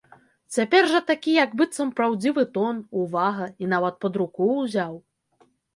Цяпер жа такі як быццам праўдзівы тон, увага, і нават пад руку ўзяў.